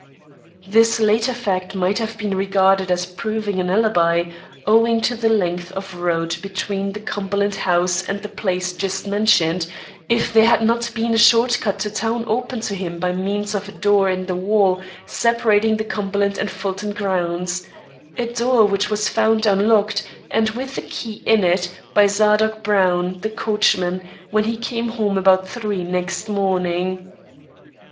This latter fact might have been regarded as proving an alibi, owing to the length of road between the Cumberland house and the place just mentioned, if there had not been a short cut to town open to him by means of a door in the wall separating the Cumberland and Fulton grounds a door which was found unlocked, and with the key in it, by Zadok Brown, the coachman, when he came home about three next morning.